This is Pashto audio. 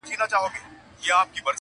هرکلي ته مې جانان خندان را ووت ,